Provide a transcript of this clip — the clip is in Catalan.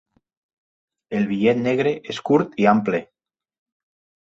El bitllet negre es curt i ample.